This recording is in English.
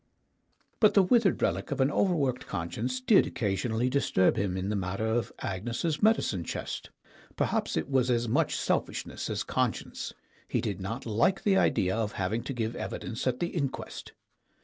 But the withered relic of an overworked conscience did occasionally disturb him in the matter of Agnes's medicine chest. Perhaps it was as much selfishness as conscience; he did not like the idea of having to give evidence at the inquest.